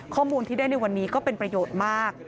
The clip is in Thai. ข้อมูลที่ได้ในวันนี้ก็เป็นประโยชน์มาก